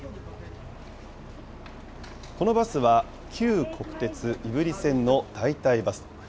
このバスは、旧国鉄胆振線の代替バス。